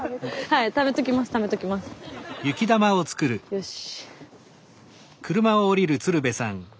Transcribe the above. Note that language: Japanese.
よし！